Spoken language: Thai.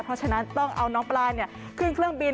เพราะฉะนั้นต้องเอาน้องปลาขึ้นเครื่องบิน